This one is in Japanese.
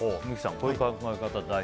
こういう考え方は大事？